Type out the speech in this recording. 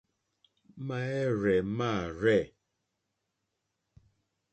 Máɛ́rzɛ̀ mâ rzɛ̂.